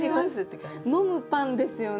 「飲むパン」ですよね！